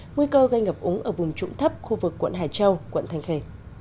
nguy cơ gây ngập úng ở vùng trụng thấp khu vực quận hải châu quận thanh khề